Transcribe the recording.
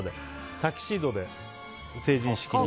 タキシードで成人式に。